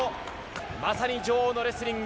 まさに女王のレスリング。